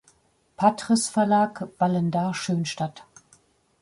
Patris-Verlag, Vallendar-Schönstatt.